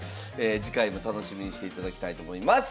次回も楽しみにしていただきたいと思います。